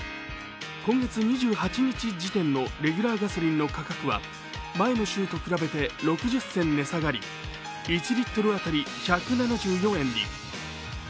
今月２８日時点のレギュラーガソリンの価格は前の週と比べて６０銭値下がり１リットル当たり１７４円に。